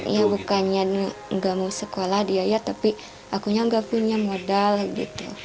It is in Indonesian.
ya bukannya nggak mau sekolah diayat tapi akunya gak punya modal gitu